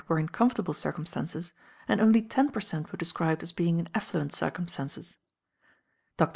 were in comfortable circumstances, and only ten per cent. were described as being in affluent circumstances. Dr.